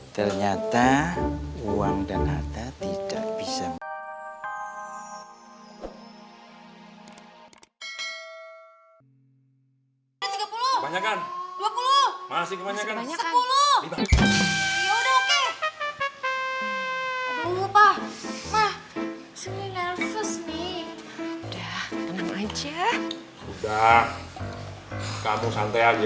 ternyata uang dan harta tidak bisa